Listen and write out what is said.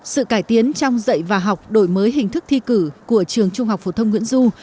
sự cải tiến trong dạy và học đổi mới hình thức thi cử của trường trung học phổ thông nguyễn du